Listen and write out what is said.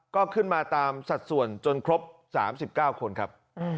ก็ขึ้นมาตามสัดส่วนจนครบ๓๙คนครับ